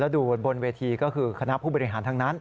ดูบนเวทีก็คือคณะผู้บริหารทั้งนั้น